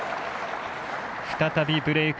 再びブレーク